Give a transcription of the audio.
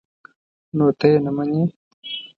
_نو ته يې نه منې؟